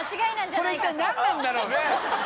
これ一体何なんだろう？って。